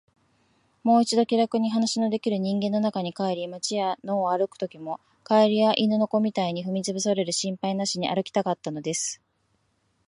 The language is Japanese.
もう一度、気らくに話のできる人間の中に帰り、街や野を歩くときも、蛙や犬の子みたいに踏みつぶされる心配なしに歩きたかったのです。